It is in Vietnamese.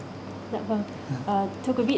thưa quý vị